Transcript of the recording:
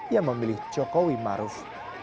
yang memilih jokowi maruf